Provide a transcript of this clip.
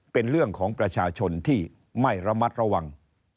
เป็นเรื่องของประชาชนที่ไม่ระมัดระวัง